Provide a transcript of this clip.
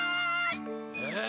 え！